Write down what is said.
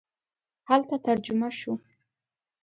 هلته ترجمه شو.